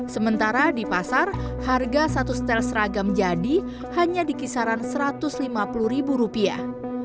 sementara di pasar harga satu setel seragam jadi hanya di kisaran satu ratus lima puluh ribu rupiah